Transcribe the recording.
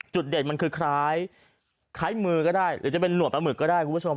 เด่นมันคือคล้ายมือก็ได้หรือจะเป็นหวดปลาหมึกก็ได้คุณผู้ชม